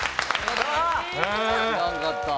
知らんかった。